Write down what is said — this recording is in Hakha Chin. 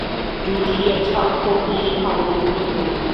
Ṭuulhri a chah khawh i aa lung hmuih ngai.